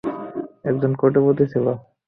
একজন কোটিপতি ছিল।